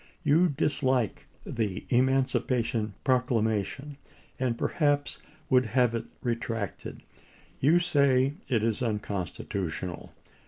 You dislike the Emancipation Proclamation, andperhaps would have it retracted. You say it is unconstitutional.